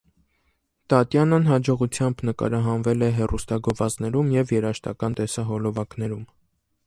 Տատյանան հաջողությամբ նկարահանվել է հեռուստագովազդներում և երաժշտական տեսահոլովակներում։